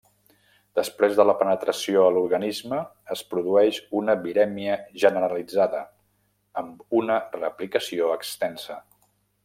Després de la penetració a l’organisme es produeix una virèmia generalitzada, amb una replicació extensa.